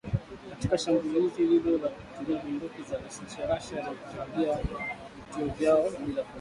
Katika shambulizi hilo kwa kutumia bunduki za rasharasha na kurejea katika vituo vyao bila kuumia